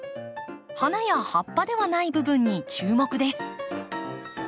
花や葉っぱではない部分に注目です。